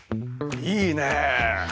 いいね。